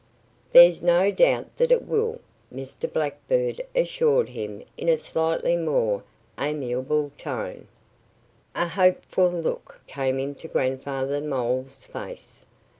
"There's no doubt that it will," Mr. Blackbird assured him in a slightly more amiable tone. A hopeful look came into Grandfather Mole's face.